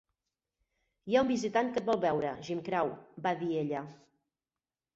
"Hi ha un visitant que et vol veure, Jim Crow", va dir ella.